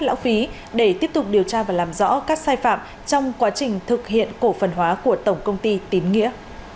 lão phí để tiếp tục điều tra và làm rõ các sai phạm trong quá trình thực hiện cổ phần hóa của tổng công ty tín nghĩa